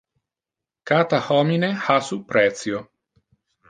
Cata homine ha su precio.